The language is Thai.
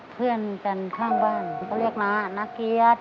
เพื่อนกันท่างบ้านก็เรียกมานักเกี๊ยจ